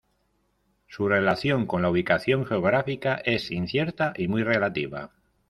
Su relación con la ubicación geográfica es incierta y muy relativa.